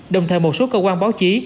đồng thời một số cơ quan báo chí